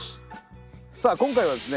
さあ今回はですね